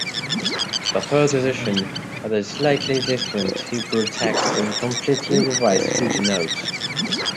The third edition had a slightly different Hebrew text and completely revised footnotes.